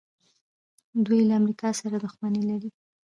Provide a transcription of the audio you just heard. دوی له امریکا سره دښمني لري.